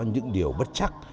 những điều bất chắc